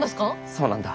そうなんだ。